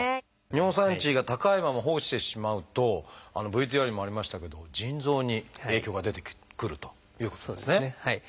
尿酸値が高いまま放置してしまうとＶＴＲにもありましたけども腎臓に影響が出てくるということですね。